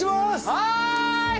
はい！